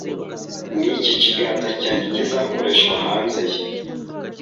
ni iki ikiganza cyanjye kizakoreshwa hanze ye